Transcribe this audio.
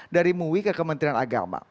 dari mui ke kementerian agama